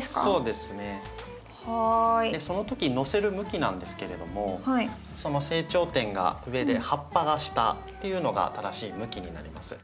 その時のせる向きなんですけれども成長点が上で葉っぱが下っていうのが正しい向きになります。